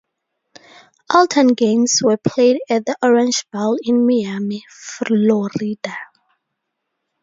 All ten games were played at the Orange Bowl in Miami, Florida.